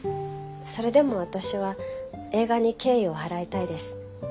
それでも私は映画に敬意を払いたいです。